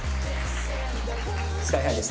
ＳＫＹ−ＨＩです。